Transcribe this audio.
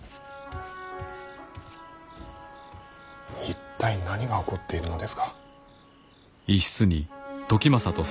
一体何が起こっているのですか。